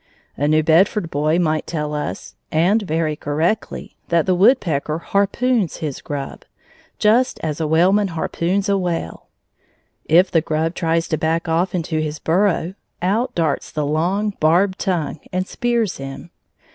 A New Bedford boy might tell us, and very correctly, that the woodpecker harpoons his grub, just as a whaleman harpoons a whale. If the grub tries to back off into his burrow, out darts the long, barbed tongue and spears him.